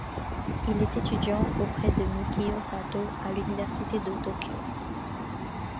Il est étudiant auprès de Mikio Satō à l'Université de Tokyo.